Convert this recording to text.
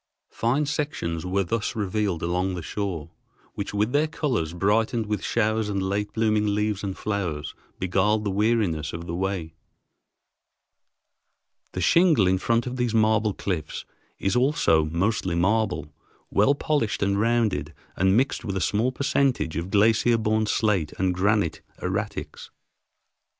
Fine sections were thus revealed along the shore, which with their colors, brightened with showers and late blooming leaves and flowers, beguiled the weariness of the way. The shingle in front of these marble cliffs is also mostly marble, well polished and rounded and mixed with a small percentage of glacier borne slate and granite erratics.